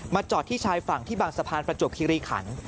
จอดที่ชายฝั่งที่บางสะพานประจวบคิริขัน